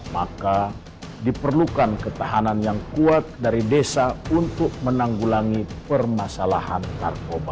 maka diperlukan ketahanan yang kuat dari desa untuk menanggulangi permasalahan narkoba